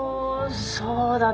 そうだね。